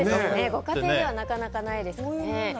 ご家庭ではなかなかないですよね。